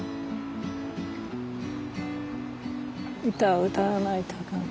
歌を歌わないとな。